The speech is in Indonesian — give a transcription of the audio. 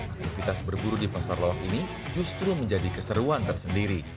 aktivitas berburu di pasar lawak ini justru menjadi keseruan tersendiri